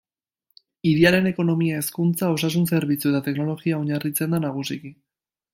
Hiriaren ekonomia hezkuntza, osasun zerbitzu eta teknologian oinarritzen da nagusiki.